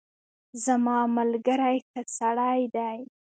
زما ملګری ښه سړی دی.